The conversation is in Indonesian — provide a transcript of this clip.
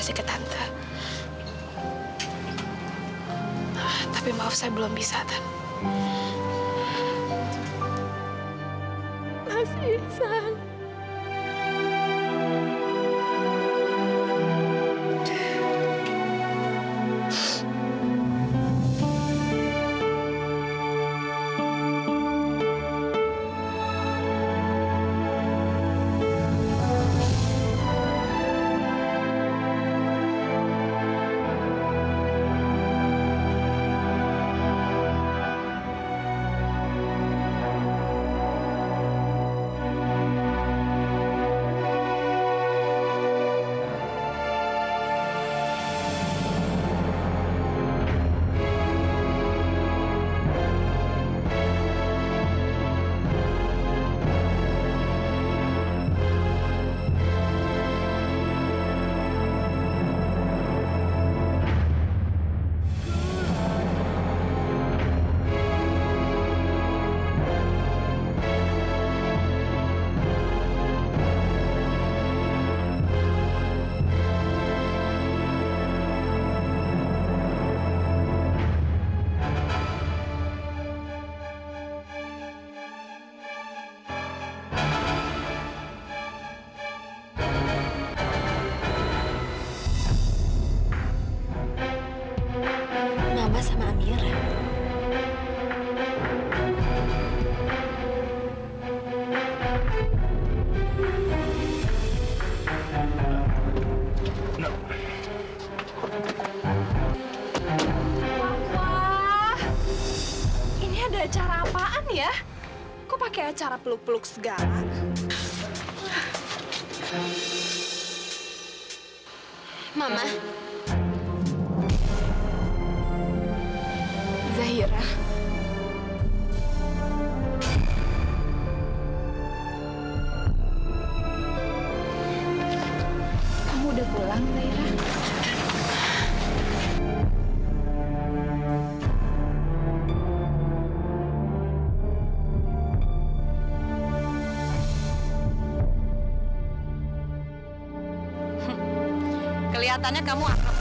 sampai jumpa di video selanjutnya